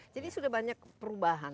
jadi sudah banyak perubahan